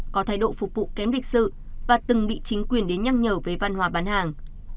có thái độ phục vụ kém lịch sự và từng bị chính quyền đến nhắc nhở về văn hóa bán hàng